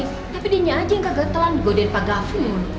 tapi dia aja yang kagetelan di gudian pak garfin